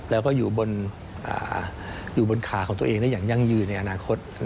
แล้วก็อยู่บนขาของตัวเองได้อย่างยั่งยืนในอนาคต